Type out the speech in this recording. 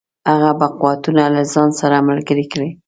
هغه به قوتونه له ځان سره ملګري کړي.